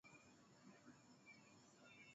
eeh kushusha tuhuma nzito mara baada ya kupata kichapo